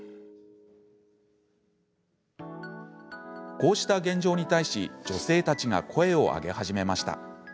こうした現状に対し女性たちが声を上げ始めました。